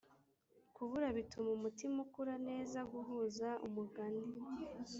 kubura bituma umutima ukura neza guhuza umugani